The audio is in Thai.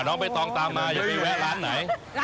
น้องใบตองตามมาอย่าไปแวะร้านไหน